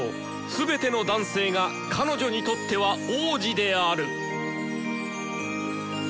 全ての男性が彼女にとっては王子である！